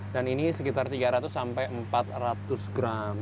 ini sekitar tiga ratus sampai empat ratus gram